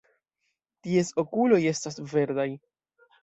Ties okuloj estas verdaj.